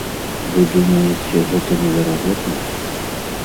Вы думаеце, гэта неверагодна?